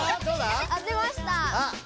当てました！